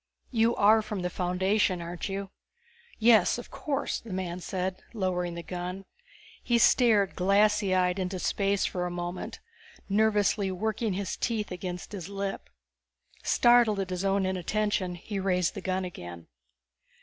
You are from the Foundation, aren't you?" "Yes. Of course," the man said, lowering the gun. He stared glassy eyed into space for a moment, nervously working his teeth against his lip. Startled at his own inattention, he raised the gun again.